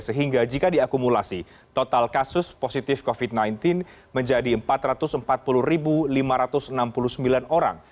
sehingga jika diakumulasi total kasus positif covid sembilan belas menjadi empat ratus empat puluh lima ratus enam puluh sembilan orang